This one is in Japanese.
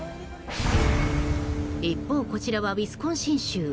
一方、こちらはウィスコンシン州。